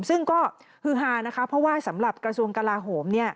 ซึ่งก็ฮือฮานะคะเพราะว่าสำหรับกระทรวงกลาโหม